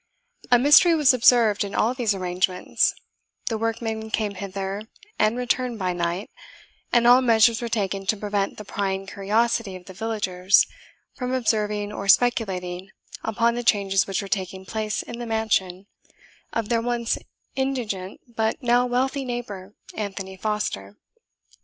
A mystery was observed in all these arrangements: the workmen came thither and returned by night, and all measures were taken to prevent the prying curiosity of the villagers from observing or speculating upon the changes which were taking place in the mansion of their once indigent but now wealthy neighbour, Anthony Foster.